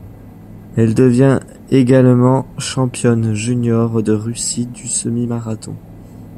Elle devient également championne junior de Russie du semi-marathon.